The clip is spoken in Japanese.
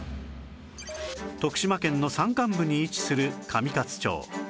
徳島県の山間部に位置する上勝町